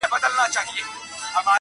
ستا دي تاج وي همېشه، لوړ دي نښان وي،